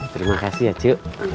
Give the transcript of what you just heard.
terima kasih ya cu